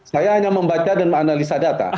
saya hanya membaca dan menganalisa data